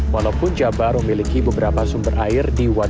walaupun jabar memiliki beberapa sumber air di waduk